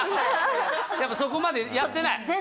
やっぱそこまでやってない？